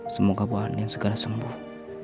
semoga bu ani segera sembuh